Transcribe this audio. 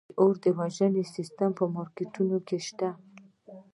د اور وژنې سیستم په مارکیټونو کې شته؟